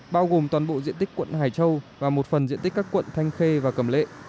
bao gồm toàn bộ diện tích quận hải châu và một phần diện tích các quận thanh khê và cầm lệ